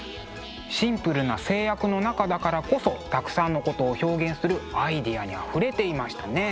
シンプルな制約の中だからこそたくさんのことを表現するアイデアにあふれていましたね。